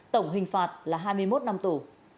tổng hình phạt là hai mươi một năm tù